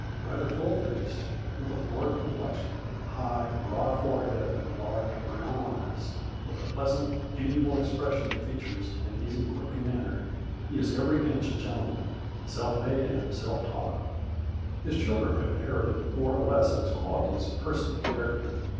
Rather full faced, with a florid complexion, high, broad forehead and large brown eyes ; with a pleasant, amiable ex pression of features and easy courtly manner, he is every inch a gentleman, self made and self taught. His children have inherited more or less of his qualities of person and character.